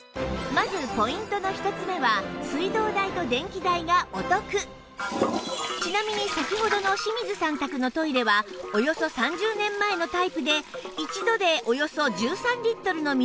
まずちなみに先ほどの清水さん宅のトイレはおよそ３０年前のタイプで一度でおよそ１３リットルの水を使いますが